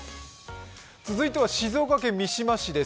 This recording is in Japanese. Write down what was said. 続いては静岡県三島市です。